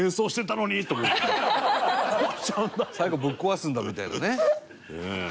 最後ぶっ壊すんだみたいなね。